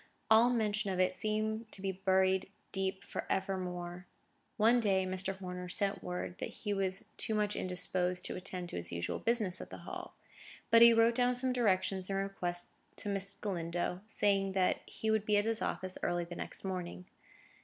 All mention of it seemed buried deep for evermore. One day, Mr. Horner sent word that he was too much indisposed to attend to his usual business at the Hall; but he wrote down some directions and requests to Miss Galindo, saying that he would be at his office early the next morning.